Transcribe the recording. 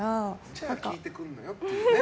じゃあ聞いてくるなよっていうね。